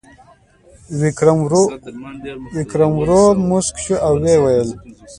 ویکرم ورو موسک شو او وویل: